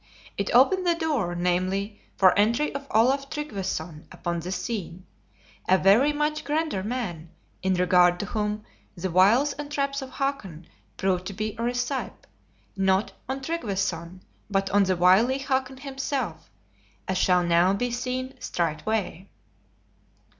It opened the door, namely, for entry of Olaf Tryggveson upon the scene, a very much grander man; in regard to whom the wiles and traps of Hakon proved to be a recipe, not on Tryggveson, but on the wily Hakon himself, as shall now be seen straightway.